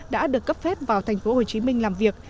đã được cấp phép vào tp hcm làm việc